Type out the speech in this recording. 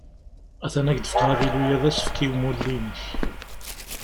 At-an ad k-d-fkeɣ avilu-a d asefk i umulli-inek.